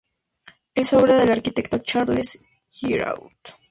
Es obra del arquitecto Charles Girault.